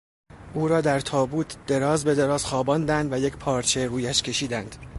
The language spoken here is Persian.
او را در تابوت دراز به دراز خواباندند و یک پارچه رویش کشیدند.